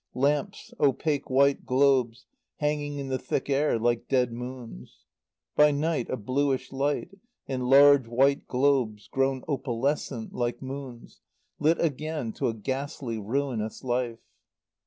Lamps, opaque white globes, hanging in the thick air like dead moons. By night a bluish light, and large, white globes grown opalescent like moons, lit again to a ghastly, ruinous life.